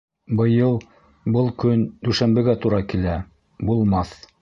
Быйыл был көн дүшәмбегә тура килә. булмаҫ.